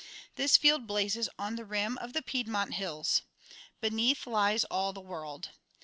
This field blazes on the rim of the Piedmont Hills. Beneath lies all the world.